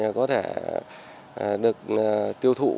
về lập thạch có thể được tiêu thụ